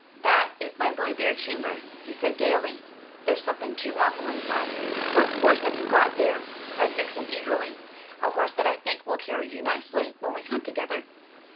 "That is my Bluebeard chamber," he said gaily. "There's something too awful inside." "What horse have you got there?" cried Vixen eagerly. "A horse that I think will carry you nicely, when we hunt together."